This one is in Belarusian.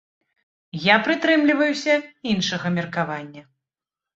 Я прытрымліваюся іншага меркавання.